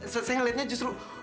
saya melihatnya justru